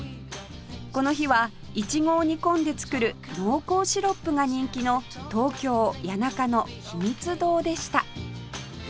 この日はイチゴを煮込んで作る濃厚シロップが人気の東京谷中のひみつ堂でした